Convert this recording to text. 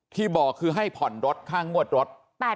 ที่บอกคือให้ผ่อนรถค่างวดรถ